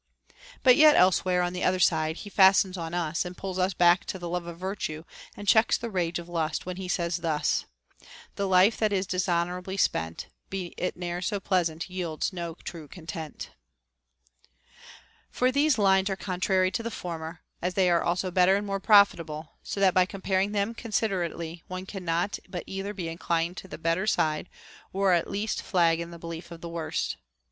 But yet elsewhere, on the other side, he fastens on us and pulls us back to the love of virtue, and checks the rage of lust, when he says thus, The life that is dishonorably spent, Be it ne'er so pleasant, yields no true content. 58 HOW A YOUNG MAN OUGHT For these lines are contrary to the former, as they are also better and more profitable ; so that by comparing them considerately one cannot but either be inclined to the bet ter side, or at least flag in the belief of the worse.